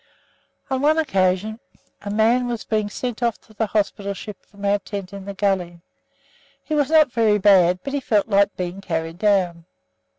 On one occasion a man was being sent off to the hospital ship from our tent in the gully. He was not very bad, but he felt like being carried down.